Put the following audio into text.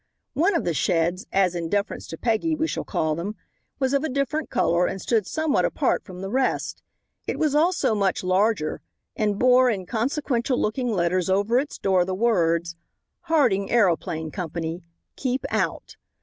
One of the sheds as in deference to Peggy we shall call them was of a different color, and stood somewhat apart from the rest. It was also much larger and bore in consequential looking letters over its door the words: "Harding Aeroplane Company. Keep Out."